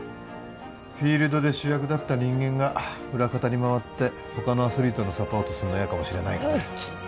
フィールドで主役だった人間が裏方に回って他のアスリートのサポートするの嫌かもしれないがね